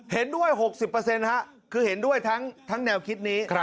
เห็นด้วย๖๐คือเห็นด้วยทั้งแนวคิดนี้